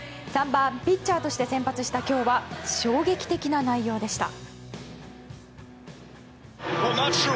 ３番ピッチャーとして先発した今日は衝撃的な内容でした。